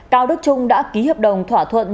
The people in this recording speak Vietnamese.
cao đức trung đã ký hợp đồng thỏa thuận